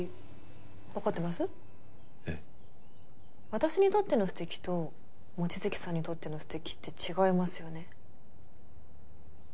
私にとっての素敵と望月さんにとっての素敵って違いますよね？